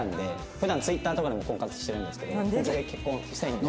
普段Ｔｗｉｔｔｅｒとかでも婚活してるんですけど本気で結婚したいんで。